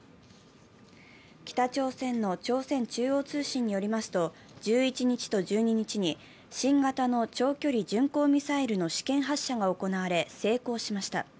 北朝鮮の朝鮮中央通信によりますと、１１日と１２日に、新型の長距離巡航ミサイルの試験発射が行われ、成功しました。